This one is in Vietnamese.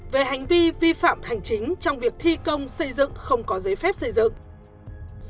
về hành vi vi phạm hành chính trong việc thi công xây dựng không có giấy phép xây dựng